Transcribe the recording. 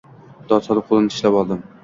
Dod solib qo‘lini tishlab oldim.